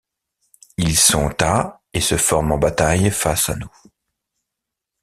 Ils sont à et se forment en bataille face à nous.